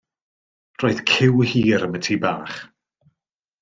Roedd ciw hir am y tŷ bach.